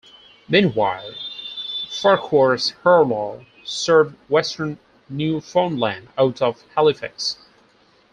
Meanwhile, Farquhar's Harlaw served western Newfoundland, out of Halifax.